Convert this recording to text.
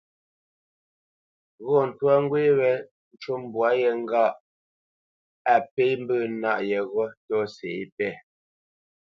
Ghɔ̂ ntwá ŋgwé wé ncu mbwá yé ŋgâʼ á pé mbə̂ nâʼ yeghó tɔ́si yépɛ̂.